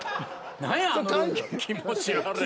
何やあのルンルン気持ち悪い。